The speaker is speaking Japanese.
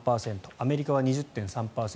アメリカは２０．３％